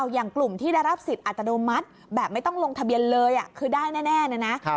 อย่างกลุ่มที่ได้รับสิทธิ์อัตโนมัติแบบไม่ต้องลงทะเบียนเลยคือได้แน่นะนะ